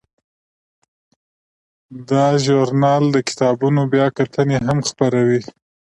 دا ژورنال د کتابونو بیاکتنې هم خپروي.